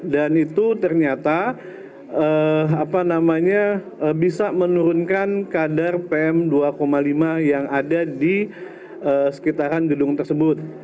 dan itu ternyata bisa menurunkan kadar pm dua lima yang ada di sekitaran gedung tersebut